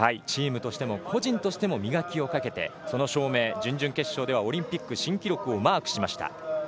チームとしても個人としても磨きをかけてその証明、準々決勝では新記録をマークしました。